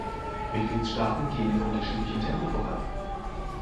Mitgliedstaaten gehen in unterschiedlichem Tempo voran.